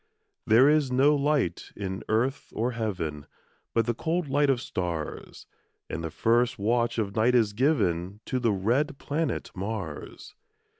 There is no light in earth or heaven, But the cold light of stars; And the first watch of night is given To the red planet Mars.